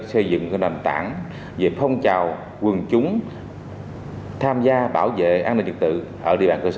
xây dựng nền tảng về phong trào quân chúng tham gia bảo vệ an ninh trực tự ở địa bàn cơ sở